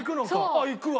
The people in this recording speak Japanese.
あっいくわ！